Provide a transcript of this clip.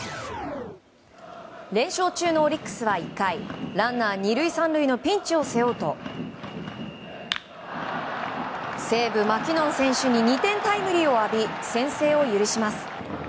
連勝中のオリックスは１回ランナー２塁３塁のピンチを背負うと西武、マキノン選手に２点タイムリーを浴び先制を許します。